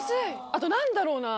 あと何だろうな。